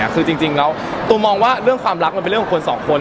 คือจริงแล้วตูมมองว่าเรื่องความรักมันเป็นเรื่องของคนสองคน